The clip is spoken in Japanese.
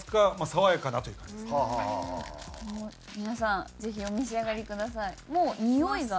皆さんぜひお召し上がりください。